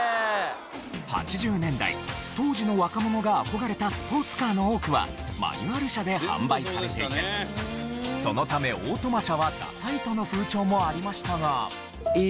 ８０年代当時の若者が憧れたスポーツカーの多くはマニュアル車で販売されていてそのためオートマ車はダサいとの風潮もありましたが。